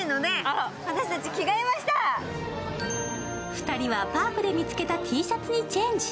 ２人はパークで見つけたＴシャツにチェンジ。